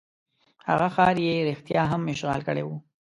هغه ښار یې رښتیا هم اشغال کړی وو.